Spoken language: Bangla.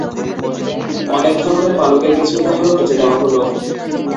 অনেক ধরনের পালকের কিছু উদাহরণ নিচে দেওয়া হলো।